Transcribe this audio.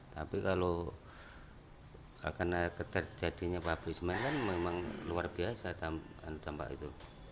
tapi kalau karena terjadinya pabrik semen kan memang luar biasa dampak itu